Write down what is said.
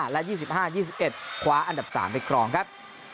๒๕๒๓๒๕๑๘๑๖๒๕และ๒๕๒๑คว้าอันดับ๓ไปกรองครับ